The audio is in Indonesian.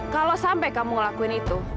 kalau sampai kamu ngelakuin itu